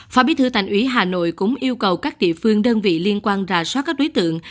phó bí thư thành ủy hà nội cũng yêu cầu các địa phương đơn vị liên quan rà soát các đối tượng